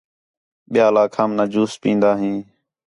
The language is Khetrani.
ٻِیال آکھام نہ جوس پِین٘دا ہیں